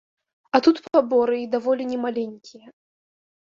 А тут паборы і даволі не маленькія.